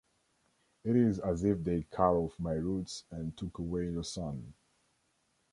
It is as if they cut off my roots and took away the sun.